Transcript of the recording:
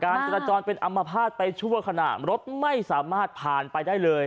การจัดจอดเป็นอัมภาษณ์ไปชั่วขนาดรถไม่สามารถผ่านไปได้เลย